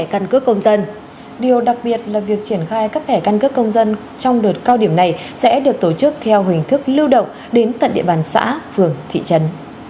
căn cước công dân điều đặc biệt là việc triển khai cấp thẻ căn cước công dân trong đợt cao điểm này sẽ được tổ chức theo hình thức lưu động đến tận địa bàn xã phường thị trấn